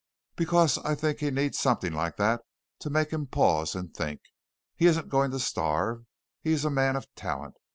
"Because I think he needs something like that to make him pause and think. He isn't going to starve. He is a man of talent.